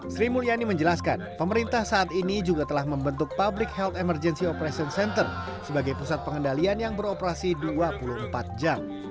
sri mulyani menjelaskan pemerintah saat ini juga telah membentuk public health emergency operation center sebagai pusat pengendalian yang beroperasi dua puluh empat jam